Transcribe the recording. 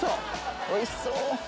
おいしそう。